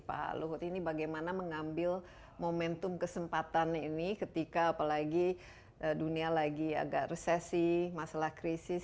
pak luhut ini bagaimana mengambil momentum kesempatan ini ketika apalagi dunia lagi agak resesi masalah krisis